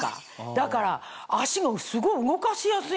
だから脚がすごい動かしやすいの。